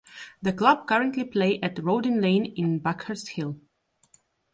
The club currently play at Roding Lane in Buckhurst Hill.